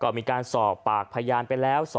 ก็มีการสอบปากพยานไปแล้ว